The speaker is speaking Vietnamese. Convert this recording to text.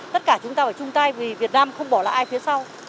tất cả chúng ta phải chung tay vì việt nam không bỏ lại ai phía sau